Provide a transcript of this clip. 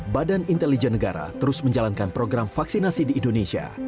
badan intelijen negara terus menjalankan program vaksinasi di indonesia